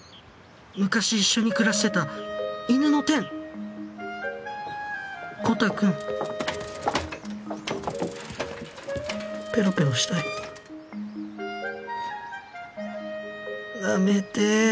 昔一緒に暮らしてた犬のてんコタくんペロペロしたいなめてぇ！